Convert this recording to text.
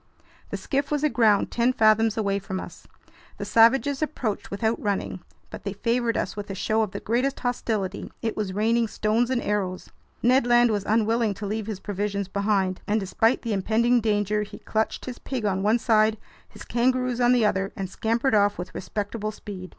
The skiff was aground ten fathoms away from us. The savages approached without running, but they favored us with a show of the greatest hostility. It was raining stones and arrows. Ned Land was unwilling to leave his provisions behind, and despite the impending danger, he clutched his pig on one side, his kangaroos on the other, and scampered off with respectable speed.